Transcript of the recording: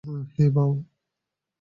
হেই, বাও!